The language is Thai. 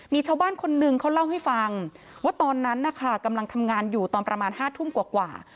มีชาวบ้านคนนึงเขาเล่าให้ฟังว่าตอนนั้นนะคะกำลังทำงานอยู่ตอนประมาณ๕ทุ่มกว่า